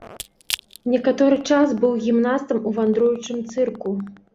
Некаторы час быў гімнастам ў вандруючым цырку.